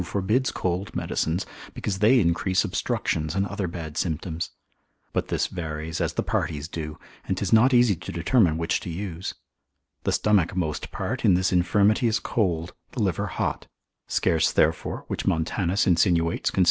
forbids cold medicines, because they increase obstructions and other bad symptoms. But this varies as the parties do, and 'tis not easy to determine which to use. The stomach most part in this infirmity is cold, the liver hot; scarce therefore (which Montanus insinuates consil.